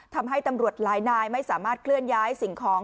ทำให้ตำรวจหลายนายไม่สามารถเคลื่อนย้ายสิ่งของ